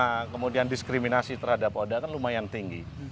nah kemudian diskriminasi terhadap oda kan lumayan tinggi